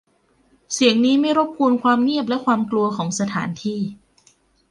เสียงนี้ไม่รบกวนความเงียบและความกลัวของสถานที่